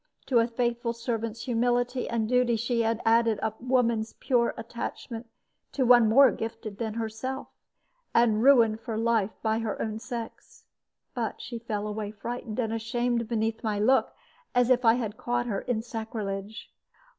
To a faithful servant's humility and duty she had added a woman's pure attachment to one more gifted than herself, and ruined for life by her own sex. But she fell away frightened and ashamed beneath my look, as if I had caught her in sacrilege.